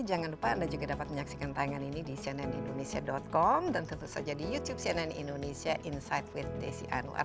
jangan lupa anda juga dapat menyaksikan tayangan ini di cnnindonesia com dan tentu saja di youtube cnn indonesia insight with desi anwar